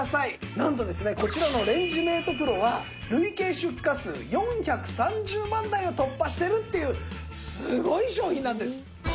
なんとですねこちらのレンジメートＰＲＯは累計出荷数４３０万台を突破してるっていうすごい商品なんです。